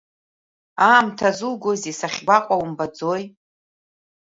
Аамҭа зугозеи, сахьгәаҟуа умбаӡои.